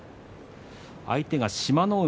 相手は志摩ノ海。